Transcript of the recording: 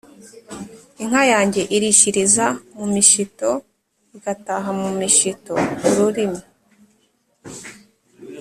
Inka yanjye irishiriza mu mishito igataha mu mishito-Ururimi.